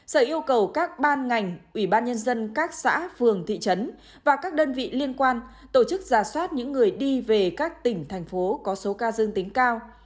sở yêu cầu các ban ngành ủy ban nhân dân các xã phường thị trấn và các đơn vị liên quan tổ chức giả soát những người đi về các tỉnh thành phố có số ca dương tính cao